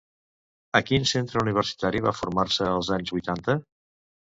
A quin centre universitari va formar-se als anys vuitanta?